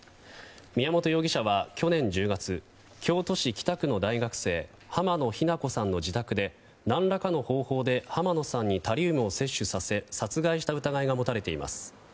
宮本容疑者は去年１０月京都市北区の大学生浜野日菜子さんの自宅で何らかの方法で浜野さんにタリウムを摂取させ殺害した疑いが持たれています。